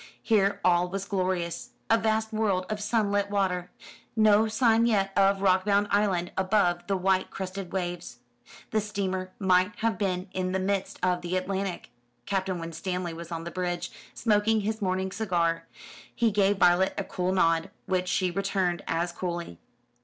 Here all was glorious. A vast world of sunlit water. No sign yet of rock bound island above the white crested waves. The steamer might have been in the midst of the Atlantic. Captain Winstanley was on the bridge, smoking his morning cigar. He gave Violet a cool nod, which she returned as coolly.